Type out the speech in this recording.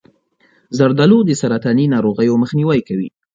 زردآلو د سرطاني ناروغیو مخنیوی کوي.